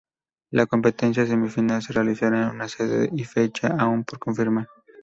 La Competencia Semifinal se realizará en una sede y fecha aun por confirmar.